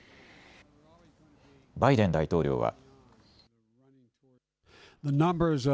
バイデン大統領は。